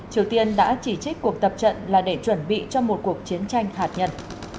triều tiên đã chỉ trích cuộc tập trận là để chuẩn bị cho một cuộc chiến tranh hạt nhân